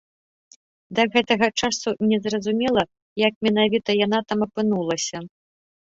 Да гэтага часу незразумела, як менавіта яна там апынулася.